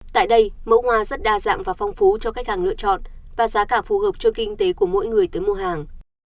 tại đây mẫu hoa rất đa dạng và phong phú cho khách hàng lựa chọn và giá cả phù hợp cho kinh tế của mỗi người tới mua hàng